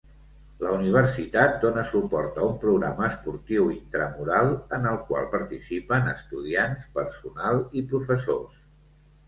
La universitat dona suport a un programa esportiu intramural en el qual participen estudiants, personal i professors.